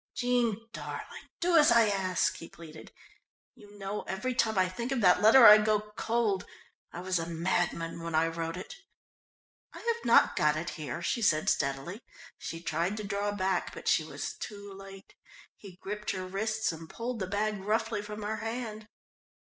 "Jean darling, do as I ask," he pleaded. "You know, every time I think of that letter I go cold. I was a madman when I wrote it." "I have not got it here," she said steadily. She tried to draw back, but she was too late. He gripped her wrists and pulled the bag roughly from her hand.